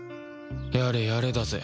やれやれだぜ